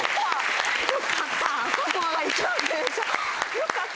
よかった！